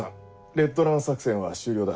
レッドラン作戦は終了だ。